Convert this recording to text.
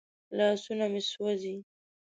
لاسونه مې سوځي.